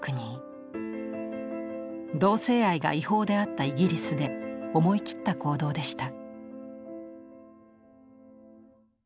同性愛が違法であったイギリスで思い切った行動でした。